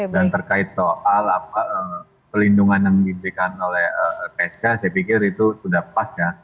dan terkait soal apa pelindungan yang diberikan oleh lpsk saya pikir itu sudah pas ya